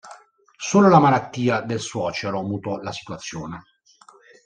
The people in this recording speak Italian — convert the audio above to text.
Solo la malattia del suocero mutò la situazione.